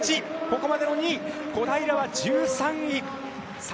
ここまでの２位、小平は１３位。